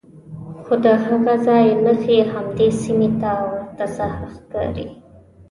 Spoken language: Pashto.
خو د هغه ځای نښې همدې سیمې ته ورته ساحه ښکاري.